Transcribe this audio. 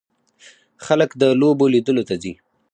خلک د لوبو لیدلو ته ځي.